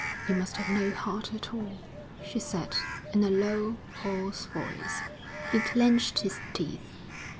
'You must have no heart at all,' she said, in a low, hoarse voice. He clenched his teeth.